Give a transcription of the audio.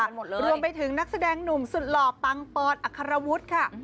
หมดเลยรวมไปถึงนักแสดงหนุ่มสุดหล่อปังปอนอัครวุฒิค่ะ